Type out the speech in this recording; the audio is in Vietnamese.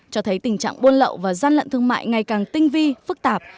cho thấy tình trạng buôn lậu và gian lận thương mại ngày càng tinh vi phức tạp